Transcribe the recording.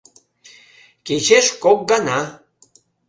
Кечеш кок гана!